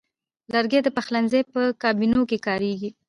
لرګی د پخلنځي په کابینو کې کاریږي.